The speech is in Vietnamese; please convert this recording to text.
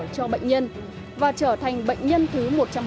cho bệnh nhân và trở thành bệnh nhân thứ một trăm bốn mươi một